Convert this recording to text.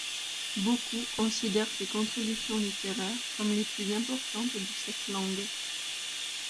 Beaucoup considèrent ses contributions littéraires comme les plus importantes de cette langue.